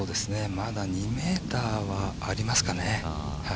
まだ２ｍはありますかね。